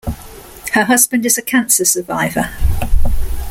Her husband is a cancer survivor.